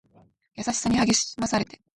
優しさに励まされて